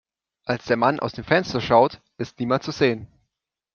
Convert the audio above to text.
Als der Mann aus dem Fenster schaut, ist niemand zu sehen.